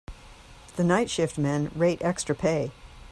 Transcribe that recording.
The night shift men rate extra pay.